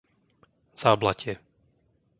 Záblatie